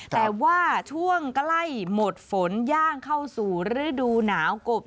แต่ว่าช่วงใกล้หมดฝนย่างเข้าสู่ฤดูหนาวกบ